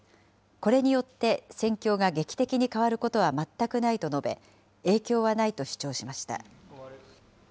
これによって戦況が劇的に変わることは全くないと述べ、影響はないと主張しました。